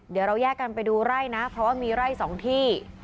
เดี๋ยวเราแยกกันไปดูไร่นะเพราะว่ามีไร่สองที่